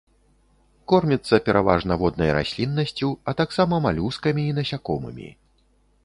Корміцца пераважна воднай расліннасцю, а таксама малюскамі і насякомымі.